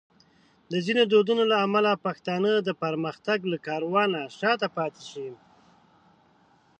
د ځینو دودونو له امله پښتانه د پرمختګ له کاروانه شاته پاتې دي.